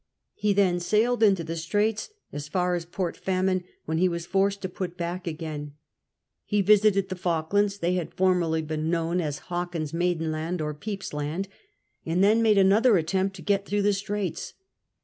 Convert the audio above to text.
He then sailed into the Straits as far as Port Famine, when he was forced to put back agJiin. He visited the Falk lands — they had formerly been known as Hawkins's Maiden Land or Pepys' Land — and then made another attempt to get through the Straits.